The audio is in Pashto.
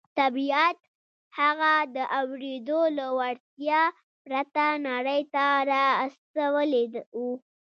طبیعت هغه د اورېدو له وړتیا پرته نړۍ ته را استولی و